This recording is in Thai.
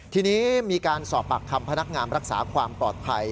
ทีนี้มีการสอบปากคำพนักงานรักษาความปลอดภัย